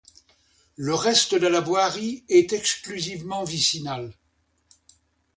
Le reste de la voirie est exclusivement vicinale.